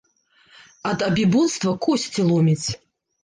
Ад абібоцтва косці ломіць.